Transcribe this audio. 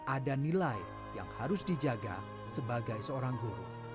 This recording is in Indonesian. ada nilai yang harus dijaga sebagai seorang guru